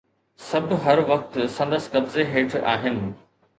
سڀ هر وقت سندس قبضي هيٺ آهن